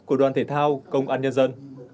của đoàn thể thao công an nhân dân